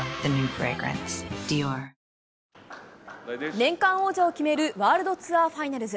年間王者を決めるワールドツアーファイナルズ。